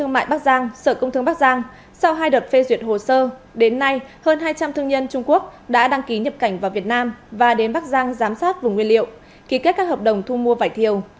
bắc giang sở công thương bắc giang sau hai đợt phê duyệt hồ sơ đến nay hơn hai trăm linh thương nhân trung quốc đã đăng ký nhập cảnh vào việt nam và đến bắc giang giám sát vùng nguyên liệu ký kết các hợp đồng thu mua vải thiều